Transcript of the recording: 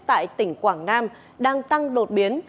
tại tỉnh quảng nam đang tăng lột biến